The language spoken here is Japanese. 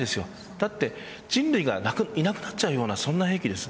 だって人類がいなくなっちゃうようなそんな兵器です。